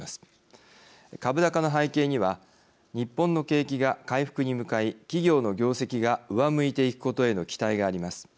株高の背景には日本の景気が回復に向かい企業の業績が上向いていくことへの期待があります。